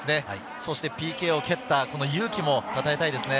ＰＫを蹴った勇気も称えたいですね。